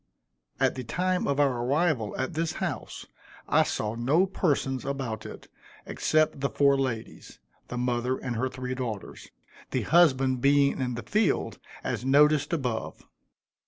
At the time of our arrival at this house, I saw no persons about it, except the four ladies the mother and her three daughters the husband being in the field, as noticed above.